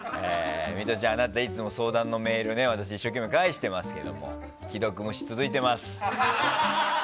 ミトちゃん、あなたいつも相談のメールを私は一生懸命返してますけども既読無視が続いています。